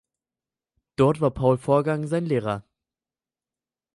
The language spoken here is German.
Dort war Paul Vorgang sein Lehrer.